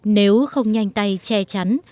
nếu không nhanh tay che chắn